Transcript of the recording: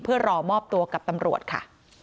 เพื่อรอมอบตัวกับตำรวจค่ะ